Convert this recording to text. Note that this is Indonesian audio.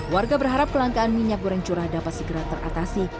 warga berharap kelangkaan minyak goreng curah dapat segera teratasi